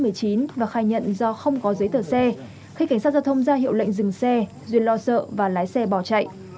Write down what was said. và khai nhận do không có giấy tờ xe khi cảnh sát giao thông ra hiệu lệnh dừng xe duyên lo sợ và lái xe bỏ chạy